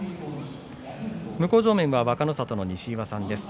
向正面は若の里の西岩さんです。